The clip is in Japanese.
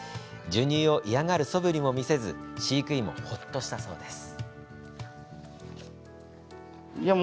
授乳を嫌がるそぶりも見せず飼育員もほっとしたそうです。